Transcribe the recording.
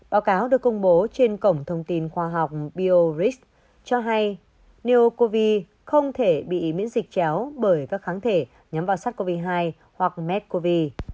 báo cáo được công bố trên cổng thông tin khoa học biorisk cho hay neocov không thể bị miễn dịch chéo bởi các kháng thể nhắm vào sars cov hai hoặc med cov